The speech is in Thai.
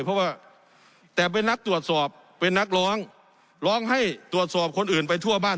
เพราะว่าแต่เป็นนักตรวจสอบเป็นนักร้องร้องให้ตรวจสอบคนอื่นไปทั่วบ้าน